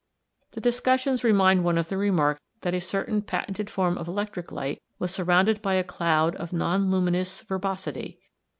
The discussions remind one of the remark that a certain patented form of electric light was surrounded by a cloud of non luminous verbosity.